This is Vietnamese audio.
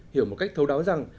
hiểu một cách thấu đáo rằng